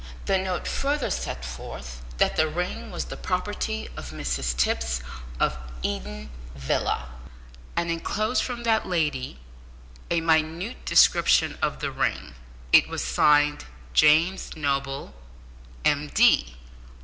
The note further set forth, that the ring was the property of Mrs Tipps of Eden Villa, and enclosed from that lady a minute description of the ring. It was signed James Noble, M.D.